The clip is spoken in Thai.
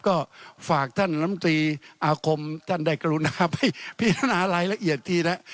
ก็ฝากท่านลำตีอาคมท่านได้กรุณาไปพิจารณารายละเอียดทีละ